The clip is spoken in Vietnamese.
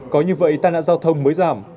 có như vậy tai nạn giao thông mới giảm